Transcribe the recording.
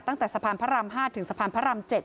ตั้งแต่สะพานพระราม๕ถึงสะพานพระราม๗